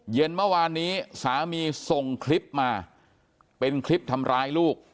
เย็นเมื่อวานนี้สามีส่งคลิปมาเป็นคลิปทำร้ายลูก